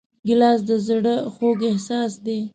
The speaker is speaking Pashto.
ګیلاس د زړه خوږ احساس دی.